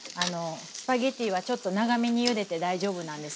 スパゲッティはちょっと長めにゆでて大丈夫なんです。